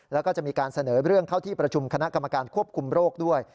แล้วก็จะมีการเสนอเรื่องเข้าที่ประชุมคณะกรรมการควบคุมโรคด้วย